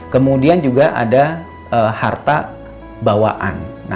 kemudian juga ada harta bawaan